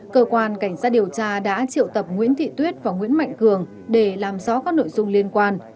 cơ quan cảnh sát điều tra đã triệu tập nguyễn thị tuyết và nguyễn mạnh cường để làm rõ các nội dung liên quan